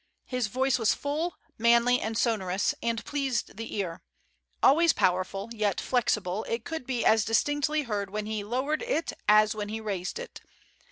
His voice was full, manly, and sonorous, and pleased the ear; always powerful, yet flexible, it could be as distinctly heard when he lowered it as when he raised it.